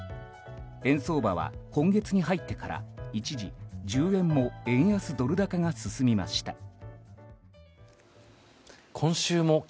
円相場は今月に入ってから一時１０円も円安ドル高が進みました。